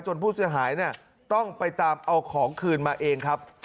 ผู้เสียหายต้องไปตามเอาของคืนมาเองครับ